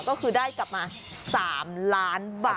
ก็คือได้กลับมา๓ล้านบาท